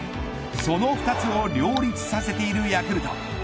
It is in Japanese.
その２つを両立させているヤクルト。